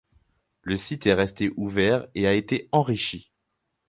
Le site est resté ouvert et a été enrichi.